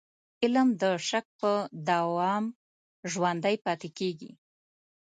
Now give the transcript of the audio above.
علم د شک په دوام ژوندی پاتې کېږي.